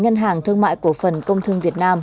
ngân hàng thương mại cổ phần công thương việt nam